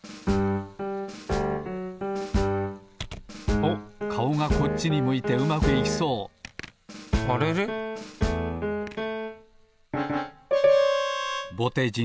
おっかおがこっちに向いてうまくいきそうぼてじん